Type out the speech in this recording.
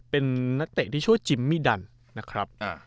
เป็นนักเตะที่ชื่อว่าจิมมี่ดันนะครับ